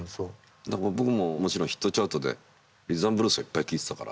僕ももちろんヒットチャートでリズム・アンド・ブルースはいっぱい聴いてたから。